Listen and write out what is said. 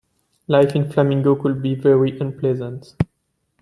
Life in Flamingo could be very unpleasant.